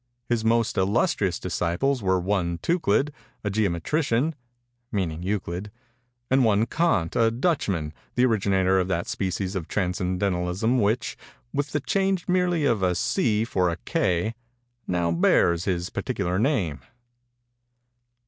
His most illustrious disciples were one Tuclid, a geometrician," [meaning Euclid] "and one Kant, a Dutchman, the originator of that species of Transcendentalism which, with the change merely of a C for a K, now bears his peculiar name.